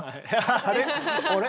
あれ？